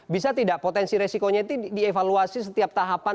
bisa tidak potensi resikonya itu dievaluasi setiap tahapan